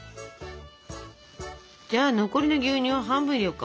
じゃあ残りの牛乳を半分入れようか。